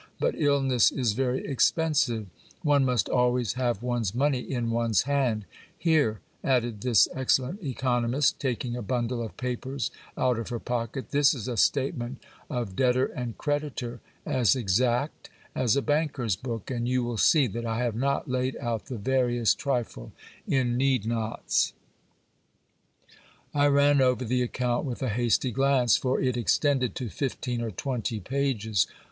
But illness is very expensive ; one must always have one's money in one's hand. Here ! added this excellent economist, taking a bundle of papers out of her pocket, this is a statement of debtor and creditor, as exact as a banker's book, and you will see that I have not laid out the veriest trifle in need nots. I ran over the account with a hasty glance ; for it extended to fifteen or twenty pages.